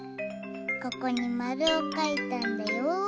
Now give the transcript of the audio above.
ここにまるをかいたんだよ。